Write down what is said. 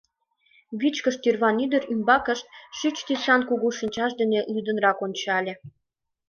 Вичкыж тӱрван ӱдыр ӱмбакышт шӱч тӱсан кугу шинчаж дене лӱдынрак ончале.